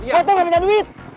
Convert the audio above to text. kau tuh gak punya duit